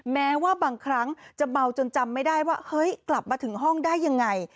แม้ว่าบางครั้งจะเมาจนจำไม่ได้ว่าเฮ้ยกลับมาถึงห้องได้ยังไง